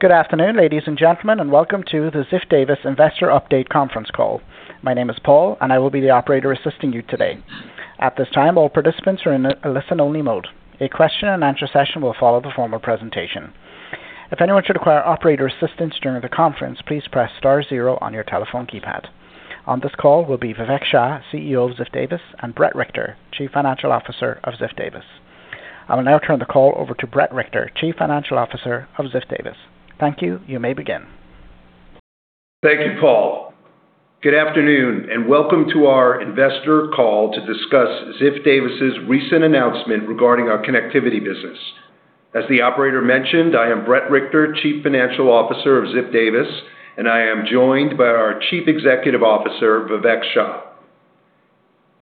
Good afternoon, ladies and gentlemen, and welcome to the Ziff Davis Investor Update Conference Call. My name is Paul, and I will be the operator assisting you today. At this time, all participants are in a listen-only mode. A question and answer session will follow the formal presentation. If anyone should require operator assistance during the conference, please press star zero on your telephone keypad. On this call will be Vivek Shah, CEO of Ziff Davis, and Bret Richter, Chief Financial Officer of Ziff Davis. I will now turn the call over to Bret Richter, Chief Financial Officer of Ziff Davis. Thank you. You may begin. Thank you, Paul. Good afternoon, and welcome to our investor call to discuss Ziff Davis' recent announcement regarding our connectivity business. As the operator mentioned, I am Bret Richter, Chief Financial Officer of Ziff Davis, and I am joined by our Chief Executive Officer, Vivek Shah.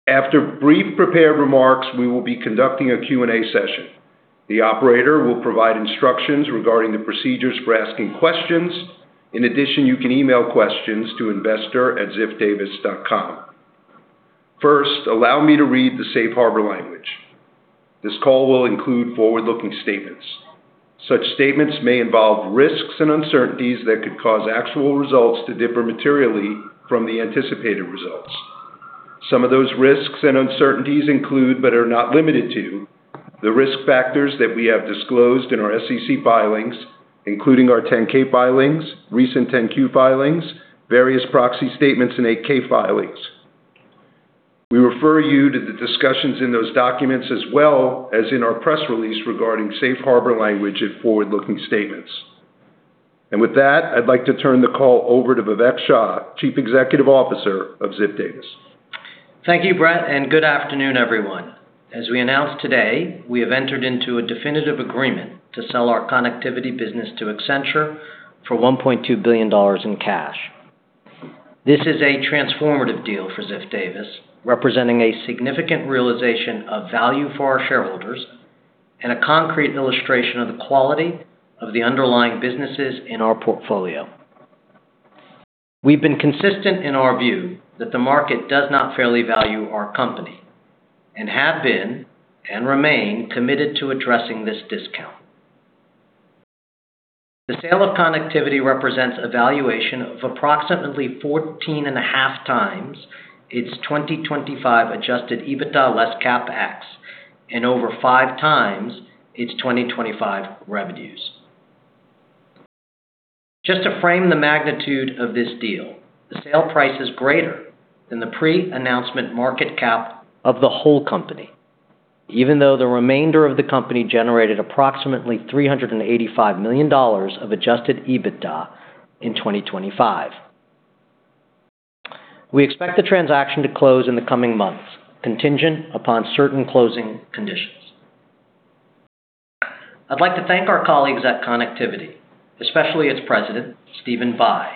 After brief prepared remarks, we will be conducting a Q&A session. The operator will provide instructions regarding the procedures for asking questions. In addition, you can email questions to investor@ziffdavis.com. First, allow me to read the safe harbor language. This call will include forward-looking statements. Such statements may involve risks and uncertainties that could cause actual results to differ materially from the anticipated results. Some of those risks and uncertainties include, but are not limited to, the risk factors that we have disclosed in our SEC filings, including our 10-K filings, recent 10-Q filings, various proxy statements, and 8-K filings. We refer you to the discussions in those documents as well as in our press release regarding safe harbor language and forward-looking statements. With that, I'd like to turn the call over to Vivek Shah, Chief Executive Officer of Ziff Davis. Thank you, Bret, good afternoon, everyone. As we announced today, we have entered into a definitive agreement to sell our Connectivity business to Accenture for $1.2 billion in cash. This is a transformative deal for Ziff Davis, representing a significant realization of value for our shareholders and a concrete illustration of the quality of the underlying businesses in our portfolio. We've been consistent in our view that the market does not fairly value our company and have been and remain committed to addressing this discount. The sale of Connectivity represents a valuation of approximately 14.5 times its 2025 adjusted EBITDA less CapEx and over five times its 2025 revenues. Just to frame the magnitude of this deal, the sale price is greater than the pre-announcement market cap of the whole company, even though the remainder of the company generated approximately $385 million of adjusted EBITDA in 2025. We expect the transaction to close in the coming months, contingent upon certain closing conditions. I'd like to thank our colleagues at Connectivity, especially its President, Stephen Bye,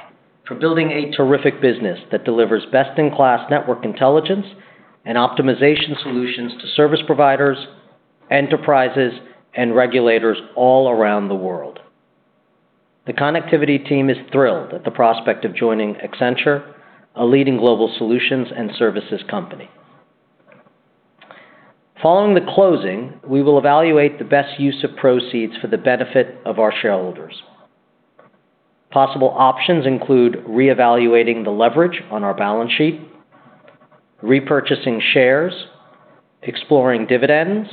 for building a terrific business that delivers best-in-class network intelligence and optimization solutions to service providers, enterprises, and regulators all around the world. The Connectivity team is thrilled at the prospect of joining Accenture, a leading global solutions and services company. Following the closing, we will evaluate the best use of proceeds for the benefit of our shareholders. Possible options include reevaluating the leverage on our balance sheet, repurchasing shares, exploring dividends,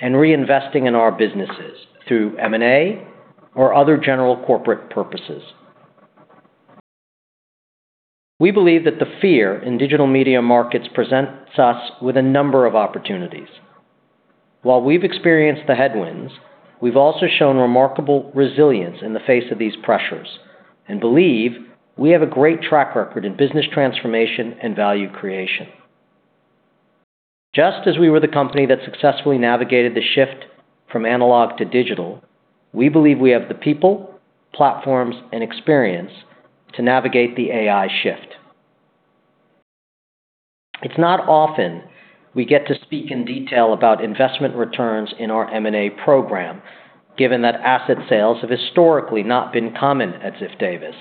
and reinvesting in our businesses through M&A or other general corporate purposes. We believe that the fear in digital media markets presents us with a number of opportunities. While we've experienced the headwinds, we've also shown remarkable resilience in the face of these pressures and believe we have a great track record in business transformation and value creation. Just as we were the company that successfully navigated the shift from analog to digital, we believe we have the people, platforms, and experience to navigate the AI shift. It's not often we get to speak in detail about investment returns in our M&A program, given that asset sales have historically not been common at Ziff Davis.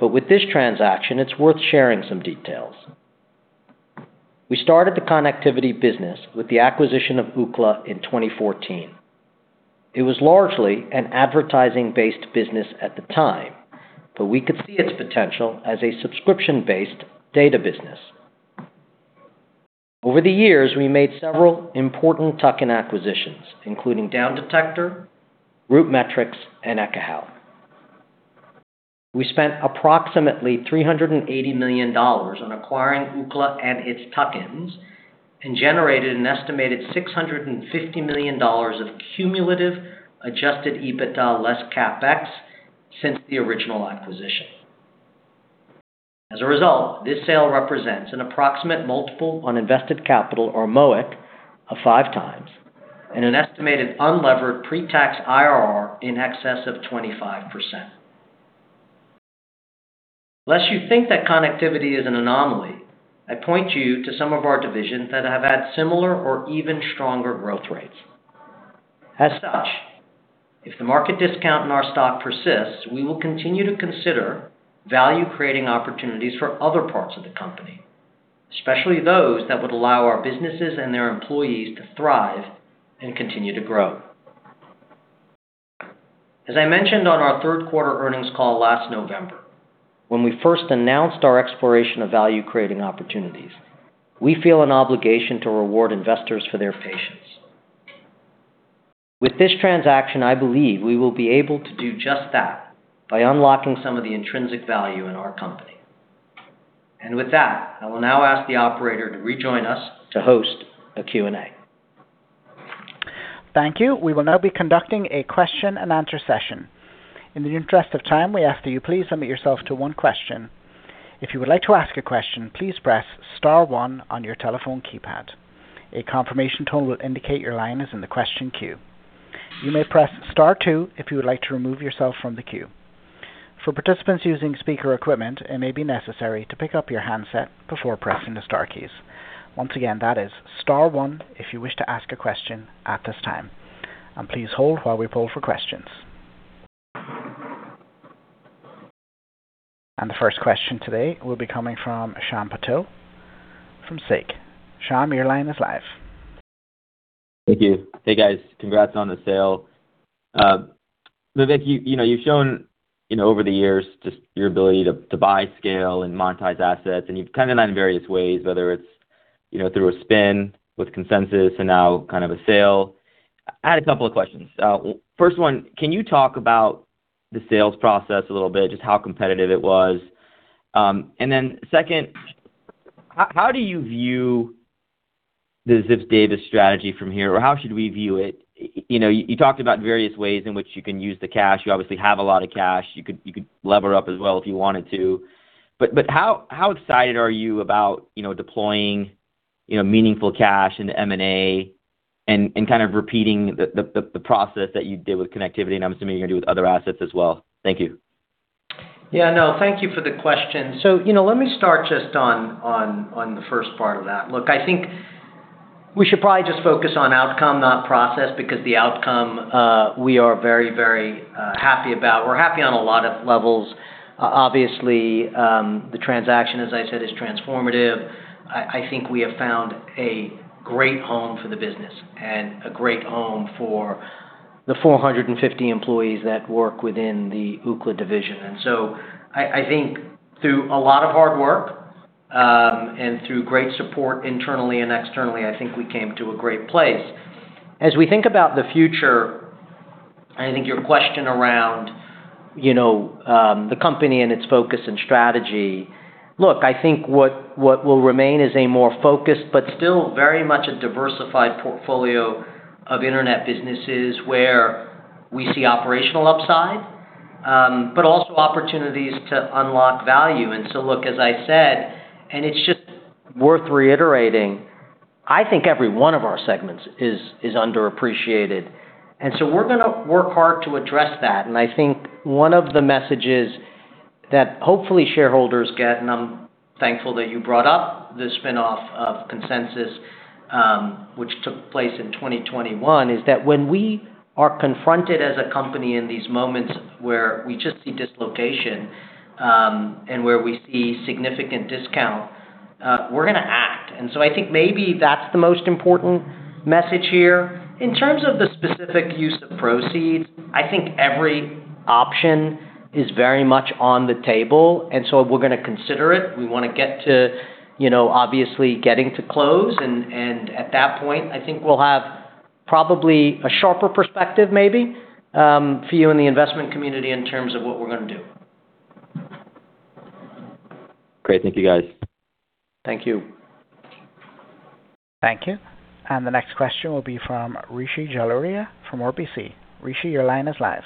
With this transaction, it's worth sharing some details. We started the Connectivity business with the acquisition of Ookla in 2014. It was largely an advertising-based business at the time, but we could see its potential as a subscription-based data business. Over the years, we made several important tuck-in acquisitions, including Downdetector, RootMetrics, and Ekahau. We spent approximately $380 million on acquiring Ookla and its tuck-ins and generated an estimated $650 million of cumulative adjusted EBITDA less CapEx since the original acquisition. As a result, this sale represents an approximate multiple on invested capital or MOIC of five times and an estimated unlevered pre-tax IRR in excess of 25%. Lest you think that Connectivity is an anomaly, I point you to some of our divisions that have had similar or even stronger growth rates. As such, if the market discount in our stock persists, we will continue to consider value-creating opportunities for other parts of the company. Especially those that would allow our businesses and their employees to thrive and continue to grow. As I mentioned on our 3rd quarter earnings call last November, when we first announced our exploration of value-creating opportunities, we feel an obligation to reward investors for their patience. With this transaction, I believe we will be able to do just that by unlocking some of the intrinsic value in our company. With that, I will now ask the operator to rejoin us to host a Q&A. Thank you. We will now be conducting a question-and-answer session. In the interest of time, we ask that you please limit yourself to one question. If you would like to ask a question, please press star one on your telephone keypad. A confirmation tone will indicate your line is in the question queue. You may press star two if you would like to remove yourself from the queue. For participants using speaker equipment, it may be necessary to pick up your handset before pressing the star keys. Once again, that is star one if you wish to ask a question at this time, and please hold while we poll for questions. The first question today will be coming from Shyam Patil from Susquehanna. Shyam, your line is live. Thank you. Hey, guys. Congrats on the sale. Vivek, you know, you've shown, you know, over the years just your ability to buy scale and monetize assets, and you've done it in various ways, whether it's, you know, through a spin with Consensus and now kind of a sale. I had a couple of questions. First one, can you talk about the sales process a little bit, just how competitive it was? Second, how do you view the Ziff Davis strategy from here, or how should we view it? You know, you talked about various ways in which you can use the cash. You obviously have a lot of cash. You could lever up as well if you wanted to. How excited are you about, you know, deploying, you know, meaningful cash into M&A and kind of repeating the process that you did with Connectivity, and I'm assuming you're gonna do with other assets as well. Thank you. Yeah, no, thank you for the question. You know, let me start just on the first part of that. Look, I think we should probably just focus on outcome, not process, because the outcome, we are very happy about. We're happy on a lot of levels. obviously, the transaction, as I said, is transformative. I think we have found a great home for the business and a great home for the 450 employees that work within the Ookla division. I think through a lot of hard work, and through great support internally and externally, I think we came to a great place. As we think about the future, I think your question around, you know, the company and its focus and strategy. I think what will remain is a more focused but still very much a diversified portfolio of internet businesses where we see operational upside, but also opportunities to unlock value. As I said, and it's just worth reiterating, I think every one of our segments is underappreciated. We're gonna work hard to address that. I think one of the messages that hopefully shareholders get, and I'm thankful that you brought up the spin-off of Consensus, which took place in 2021, is that when we are confronted as a company in these moments where we just see dislocation, and where we see significant discount, we're gonna act. I think maybe that's the most important message here. In terms of the specific use of proceeds, I think every option is very much on the table, and so we're gonna consider it. We wanna get to, you know, obviously getting to close and at that point, I think we'll have probably a sharper perspective maybe, for you in the investment community in terms of what we're gonna do. Great. Thank you, guys. Thank you. Thank you. The next question will be from Rishi Jaluria from RBC. Rishi, your line is live.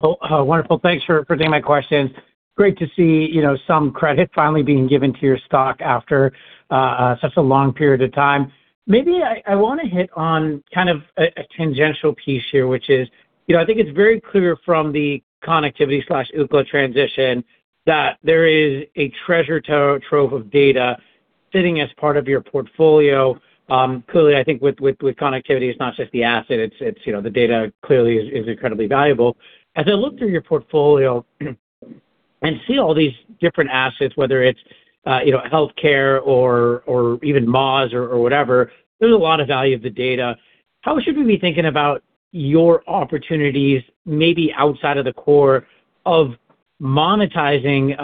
Wonderful. Thanks for presenting my questions. Great to see, you know, some credit finally being given to your stock after such a long period of time. Maybe I wanna hit on kind of a tangential piece here, which is, you know, I think it's very clear from the Connectivity/Ookla transition that there is a treasure trove of data sitting as part of your portfolio. Clearly, I think with Connectivity, it's not just the asset, it's, you know, the data clearly is incredibly valuable. As I look through your portfolio and see all these different assets, whether it's, you know, healthcare or even Moz or whatever, there's a lot of value of the data. How should we be thinking about your opportunities, maybe outside of the core of monetizing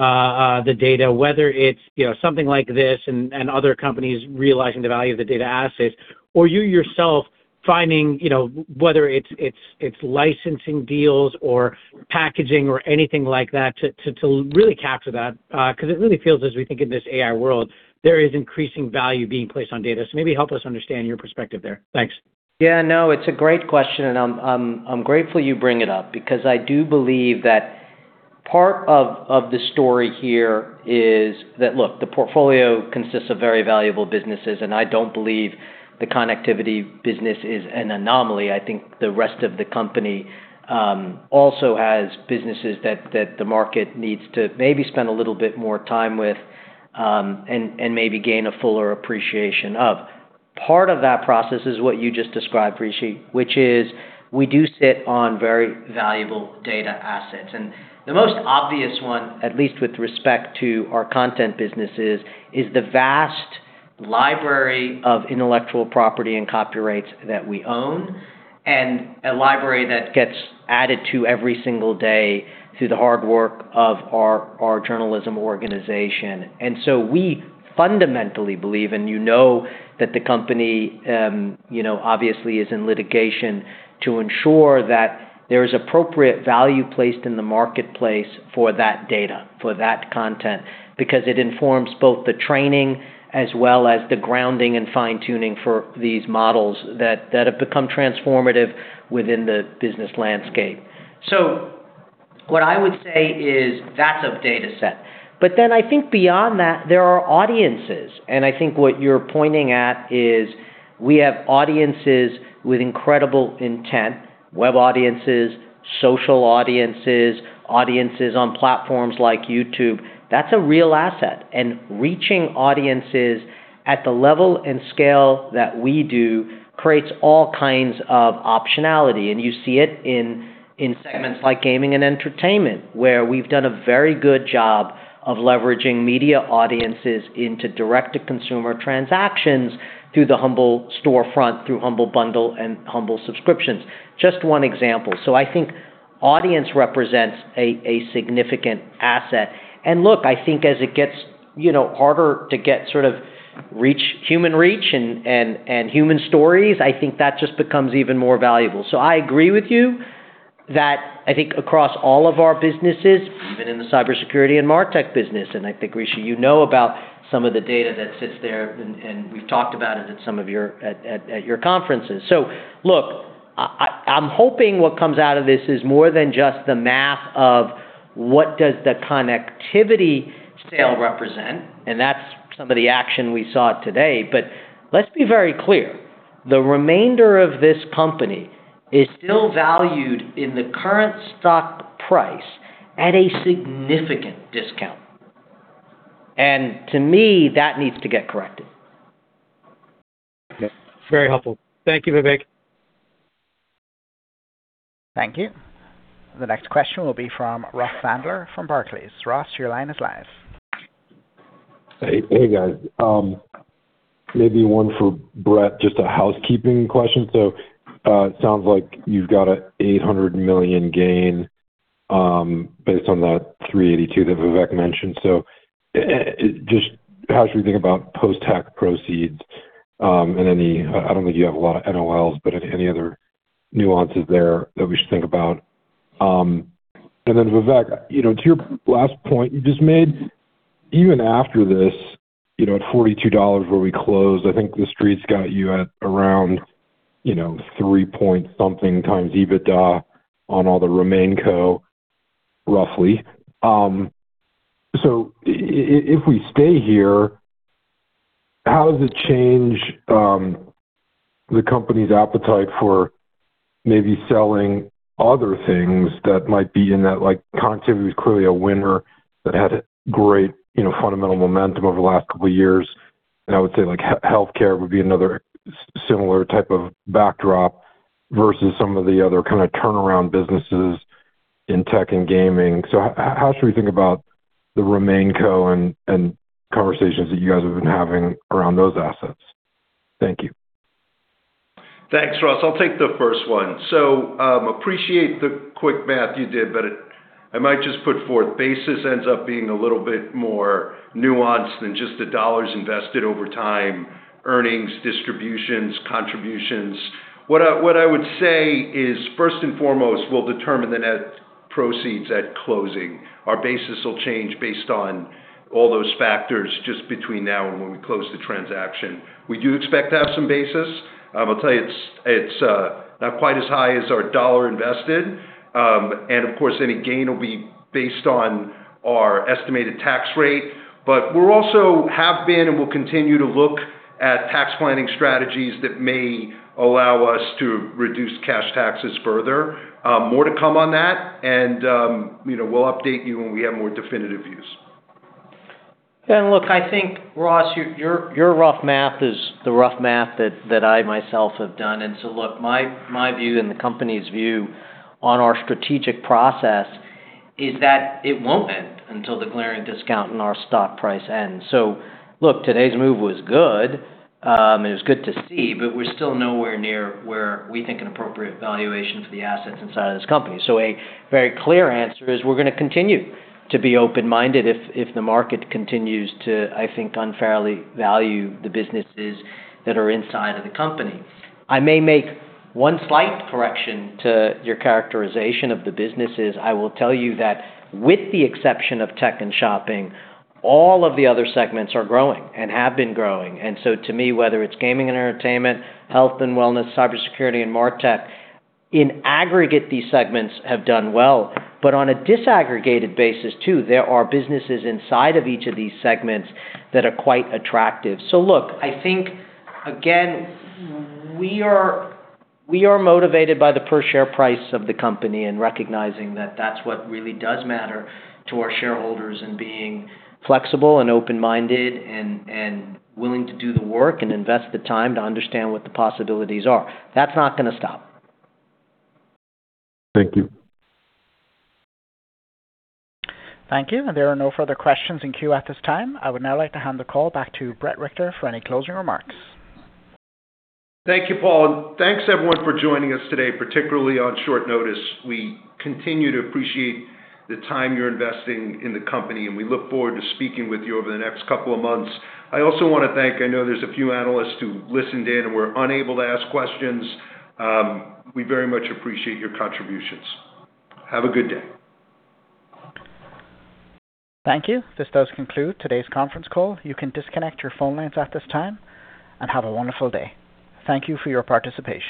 the data, whether it's, you know, something like this and other companies realizing the value of the data assets, or you yourself finding, you know, whether it's licensing deals or packaging or anything like that to really capture that. Because it really feels as we think in this AI world, there is increasing value being placed on data. Maybe help us understand your perspective there. Thanks. Yeah, no, it's a great question, and I'm grateful you bring it up because I do believe that part of the story here is that, look, the portfolio consists of very valuable businesses, and I don't believe the Connectivity business is an anomaly. I think the rest of the company also has businesses that the market needs to maybe spend a little bit more time with and maybe gain a fuller appreciation of. Part of that process is what you just described, Rishi, which is we do sit on very valuable data assets. The most obvious one, at least with respect to our content businesses, is the vast library of intellectual property and copyrights that we own, and a library that gets added to every single day through the hard work of our journalism organization. We fundamentally believe, and you know that the company, you know, obviously is in litigation to ensure that there is appropriate value placed in the marketplace for that data, for that content, because it informs both the training as well as the grounding and fine-tuning for these models that have become transformative within the business landscape. What I would say is that's a data set. I think beyond that, there are audiences, and I think what you're pointing at is we have audiences with incredible intent, web audiences, social audiences on platforms like YouTube. That's a real asset. Reaching audiences at the level and scale that we do creates all kinds of optionality. You see it in segments like gaming and entertainment, where we've done a very good job of leveraging media audiences into direct-to-consumer transactions through the Humble Store, through Humble Bundle and Humble subscriptions. Just one example. I think audience represents a significant asset. Look, I think as it gets, you know, harder to get sort of human reach and human stories, I think that just becomes even more valuable. I agree with you that I think across all of our businesses, even in the cybersecurity and MarTech business, and I think, Rishi, you know about some of the data that sits there, and we've talked about it at some of your conferences. Look, I'm hoping what comes out of this is more than just the math of what does the Connectivity sale represent, and that's some of the action we saw today. Let's be very clear, the remainder of this company is still valued in the current stock price at a significant discount. To me, that needs to get corrected. Okay. Very helpful. Thank you, Vivek. Thank you. The next question will be from Ross Sandler from Barclays. Ross, your line is live. Hey, hey, guys. Maybe one for Bret, just a housekeeping question. It sounds like you've got a $800 million gain, based on that $382 that Vivek mentioned. Just how should we think about post-tax proceeds, and any... I don't think you have a lot of NOLs, but any other nuances there that we should think about. Vivek, you know, to your last point you just made, even after this, you know, at $42 where we closed, I think the street's got you at around, you know, three points something times EBITDA on all the RemainCo, roughly. So if we stay here, how does it change, the company's appetite for maybe selling other things that might be in that, like, Connectivity was clearly a winner that had great, you know, fundamental momentum over the last couple of years. I would say, like, healthcare would be another similar type of backdrop versus some of the other kinda turnaround businesses in tech and gaming. How should we think about the RemainCo and conversations that you guys have been having around those assets? Thank you. Thanks, Ross. I'll take the first one. Appreciate the quick math you did, but I might just put forth basis ends up being a little bit more nuanced than just the $ invested over time, earnings, distributions, contributions. What I would say is, first and foremost, we'll determine the net proceeds at closing. Our basis will change based on all those factors just between now and when we close the transaction. We do expect to have some basis. I'll tell you it's not quite as high as our $ invested. Of course, any gain will be based on our estimated tax rate. We're also have been and will continue to look at tax planning strategies that may allow us to reduce cash taxes further. More to come on that and, you know, we'll update you when we have more definitive views. Look, I think, Ross, your rough math is the rough math that I myself have done. Look, my view and the company's view on our strategic process is that it won't end until the glaring discount in our stock price ends. Look, today's move was good, and it was good to see, but we're still nowhere near where we think an appropriate valuation for the assets inside of this company. A very clear answer is we're gonna continue to be open-minded if the market continues to, I think, unfairly value the businesses that are inside of the company. I may make one slight correction to your characterization of the businesses. I will tell you that with the exception of tech and shopping, all of the other segments are growing and have been growing. To me, whether it's gaming and entertainment, health and wellness, cybersecurity and MarTech, in aggregate, these segments have done well. On a disaggregated basis too, there are businesses inside of each of these segments that are quite attractive. Look, I think again, we are motivated by the per share price of the company and recognizing that that's what really does matter to our shareholders, and being flexible and open-minded and willing to do the work and invest the time to understand what the possibilities are. That's not gonna stop. Thank you. Thank you. There are no further questions in queue at this time. I would now like to hand the call back to Bret Richter for any closing remarks. Thank you, Paul. Thanks everyone for joining us today, particularly on short notice. We continue to appreciate the time you're investing in the company, and we look forward to speaking with you over the next couple of months. I also wanna thank, I know there's a few analysts who listened in and were unable to ask questions. We very much appreciate your contributions. Have a good day. Thank you. This does conclude today's conference call. You can disconnect your phone lines at this time, and have a wonderful day. Thank you for your participation.